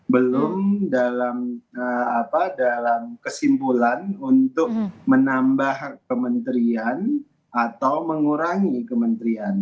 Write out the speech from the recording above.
belum dalam kesimpulan untuk menambah kementerian atau mengurangi kementerian